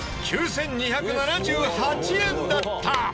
９２７８円だった！